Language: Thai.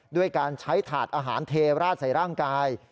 ด้วยการใช้ถาดอาหารเทราดใส่ร่างกาย